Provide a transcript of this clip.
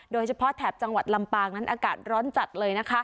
โดยเฉพาะแถบจังหวัดลำปางนั้นอากาศร้อนจัดเลย